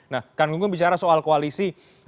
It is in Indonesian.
nah kan gunggung bicara soal koalisi